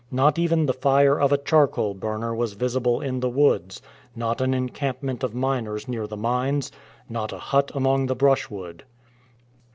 Not even the fire of a charcoal burner was visible in the woods, not an encampment of miners near the mines, not a hut among the brushwood.